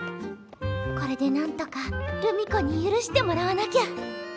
これでなんとか留美子に許してもらわなきゃ。